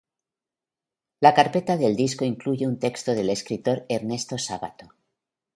La carpeta del disco incluye un texto del escritor Ernesto Sabato.